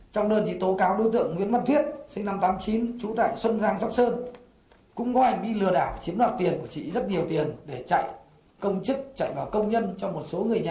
trong đơn thì tố cáo đối tượng nguyễn văn thuyết sinh năm một nghìn chín trăm tám mươi chín trú tại xuân giang sóc sơn cũng ngoài bị lừa đảo chiếm đoạt tiền của chị rất nhiều tiền để chạy công chức chạy vào công nhân cho một số người nhà